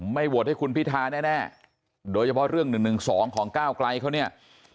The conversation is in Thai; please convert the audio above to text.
โหวตให้คุณพิธาแน่โดยเฉพาะเรื่อง๑๑๒ของก้าวไกลเขาเนี่ย